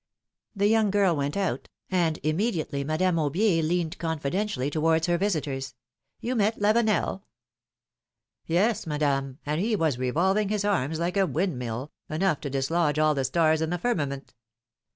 The young girl went out, and immediately Madame Aubier leaned confidentially towards her visitors. You met Lavenel?" ^^Yes, Madame; and he was revolving his arras like a windmill — enough to dislodge all the stars in the firmament."